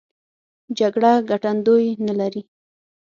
جګړه ګټندوی نه لري.